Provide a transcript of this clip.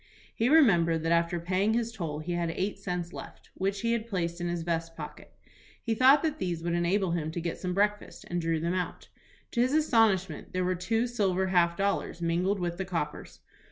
He remembered that after paying his toll he had eight cents left, which he had placed in his vest pocket. He thought that these would enable him to get some breakfast, and drew them out. To his astonishment there were two silver half dollars mingled with the coppers.